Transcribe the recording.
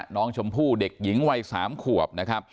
น้องชมพู่เด็กหญิงวัย๓ขวบ